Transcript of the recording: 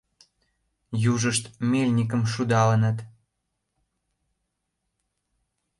Южышт мельникым шудалыныт.